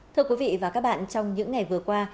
thưa quý vị và các bạn trong những ngày vừa qua